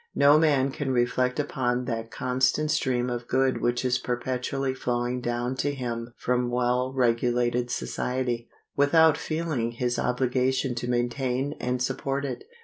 No man can reflect upon that constant stream of good which is perpetually flowing down to him from well regulated society, without feeling his obligation to maintain and support it.